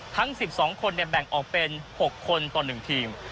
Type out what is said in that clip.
ทั้ง๑๒คนแบ่งออกเป็น๖คนต่อ๑ทีม